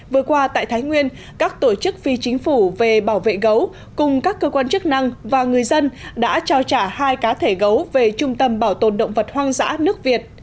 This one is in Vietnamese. vừa qua tại thái nguyên các tổ chức phi chính phủ về bảo vệ gấu cùng các cơ quan chức năng và người dân đã trao trả hai cá thể gấu về trung tâm bảo tồn động vật hoang dã nước việt